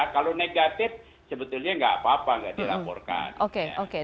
kalau negatif sebetulnya tidak apa apa tidak dilaporkan